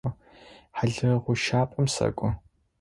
Хьалыгъущапӏэм сэкӏо.